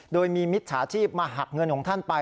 โดยมีมิจฉาชีพมาหักเงินของท่านไป